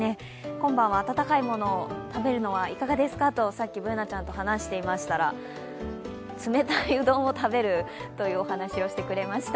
今晩は温かいものを食べるのはいかがですかとさっきＢｏｏｎａちゃんと話していましたら、冷たいうどんを食べるとお話をしてくださいました。